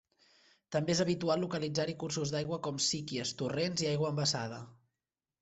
També és habitual localitzar-hi cursos d'aigua com síquies, torrents i aigua embassada.